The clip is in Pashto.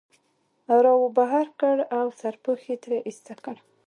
را وبهر کړ او سرپوښ یې ترې ایسته کړ.